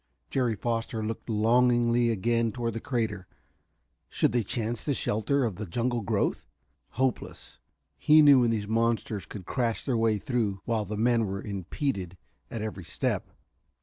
Jerry Foster looked longingly again toward the crater. Should they chance the shelter of the jungle growth? Hopeless, he knew when these monsters could crash their way through while the men were impeded at every step.